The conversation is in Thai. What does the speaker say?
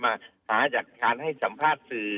หาจากการให้สัมภาษณ์สื่อ